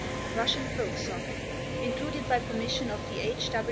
Russian Folk Song _Included by permission of The H.